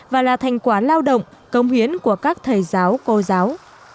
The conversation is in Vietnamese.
và là thành quả lao động công hiến của các thầy giáo cô giáo